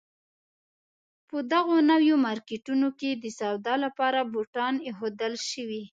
په دغو نویو مارکېټونو کې د سودا لپاره بوتان اېښودل شوي.